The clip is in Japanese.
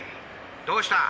どうした？